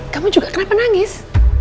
kamu juga kenapa nangis